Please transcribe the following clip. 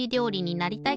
なりたい！